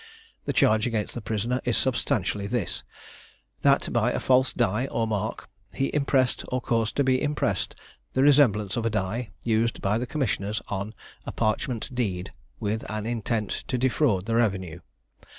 The charge against the prisoner is substantially this, that by a false die or mark he impressed or caused to be impressed the resemblance of a die used by the commissioners on a parchment deed, with an intent to defraud the revenue.